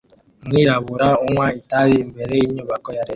Umwirabura unywa itabi imbere yinyubako ya leta